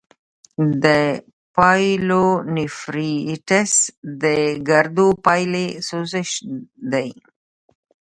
د پايلونیفریټس د ګردو پیالې سوزش دی.